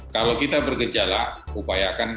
kalau kita bergejala upayakan